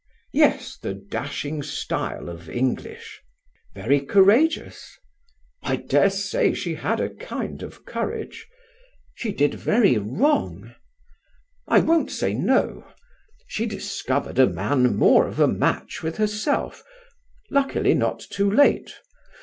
"Yes; the dashing style of English." "Very courageous." "I dare say she had a kind of courage." "She did very wrong." "I won't say no. She discovered a man more of a match with herself; luckily not too late.